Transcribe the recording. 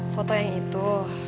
foto yang itu